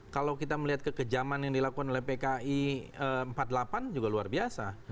kalau kita melihat kekejaman yang dilakukan oleh pki empat puluh delapan juga luar biasa